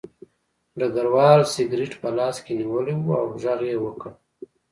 ډګروال سګرټ په لاس کې نیولی و او غږ یې وکړ